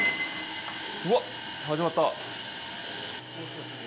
うわっ、始まった。